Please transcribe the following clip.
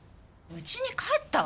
うちに帰ったわよ。